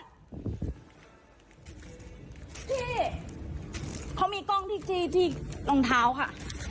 พี่เขามีกล้องที่รองเท้าค่ะ